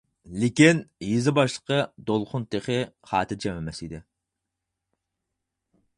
لېكىن، يېزا باشلىقى دولقۇن تېخى خاتىرجەم ئەمەس ئىدى.